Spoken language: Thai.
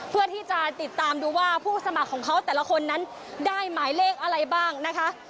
เพื่อที่จะติดตามดูว่าผู้สมัครของเขาแต่ละคนนั้นได้หมายเลขอะไรบ้างนะคะ